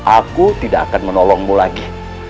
aku tidak akan menolongmu lagi